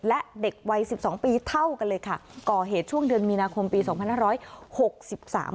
และเด็กวัยสิบสองปีเท่ากันเลยค่ะก่อเหตุช่วงเดือนมีนาคมปีสองพันห้าร้อยหกสิบสาม